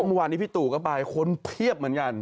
เมื่อวานนี้พี่ตู่ก็ไปคนเพียบเหมือนกัน